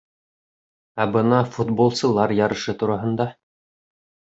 — Ә бына футболсылар ярышы тураһында?